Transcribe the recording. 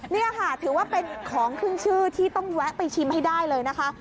นี่ค่ะถือว่าเป็นของขึ้นชื่อที่ต้องแวะไปชิมให้ได้เลยนะคะ